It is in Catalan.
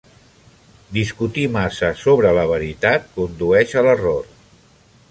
Discutir massa sobre la veritat condueix a l'error.